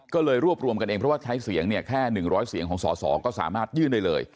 ก็เลยรวบรวมกันเองเพราะว่าใช้เสียงเนี่ยแค่๑๐๐เสียงของสอสอก็สามารถยื่นได้เลย